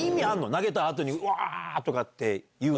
投げたあとに、わー！とかって言うの。